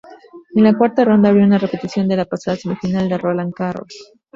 En la cuarta ronda habría un repetición de la pasada semifinal de Roland Garros.